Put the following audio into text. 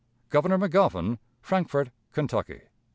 "Governor Magoffin, Frankfort, Kentucky.